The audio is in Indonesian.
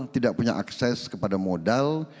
tidak punya akses kepada modal